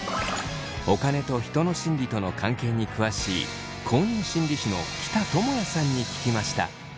お金と人の心理との関係に詳しい公認心理師の喜田智也さんに聞きました。